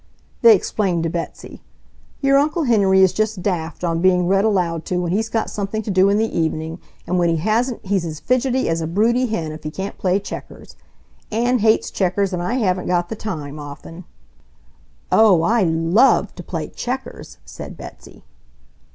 They explained to Betsy: "Your Uncle Henry is just daft on being read aloud to when he's got something to do in the evening, and when he hasn't he's as fidgety as a broody hen if he can't play checkers. Ann hates checkers and I haven't got the time, often." "Oh, I LOVE to play checkers!" said Betsy.